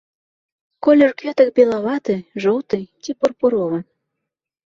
Колер кветак белаваты, жоўты ці пурпуровы.